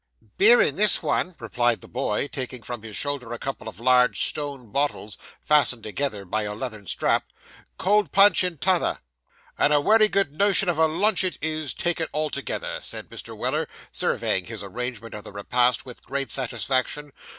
'Beer in this one,' replied the boy, taking from his shoulder a couple of large stone bottles, fastened together by a leathern strap 'cold punch in t'other.' 'And a wery good notion of a lunch it is, take it altogether,' said Mr. Weller, surveying his arrangement of the repast with great satisfaction.